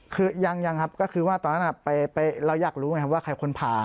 คือยังครับก็คือว่าตอนนั้นเราอยากรู้ไหมครับว่าใครคนผ่า